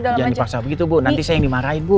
jangan dipaksa begitu bu nanti saya yang dimarahin bu